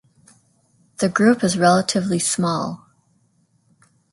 The group is relatively small.